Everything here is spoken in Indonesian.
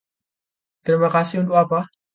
Terima kasih untuk apa?